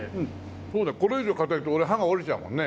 これ以上硬いと俺歯が折れちゃうもんね。